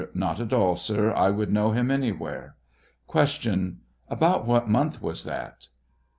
Not at all, sir; I should Icnow him anywhere. Q. About what month was that